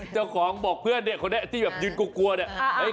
เจ้าของบอกเพื่อนเนี่ยคนนี้ที่แบบยืนกลัวเนี่ย